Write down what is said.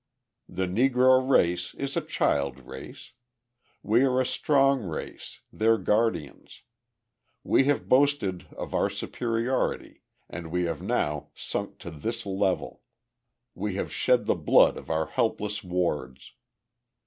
The Negro race is a child race. We are a strong race, their guardians. We have boasted of our superiority and we have now sunk to this level we have shed the blood of our helpless wards.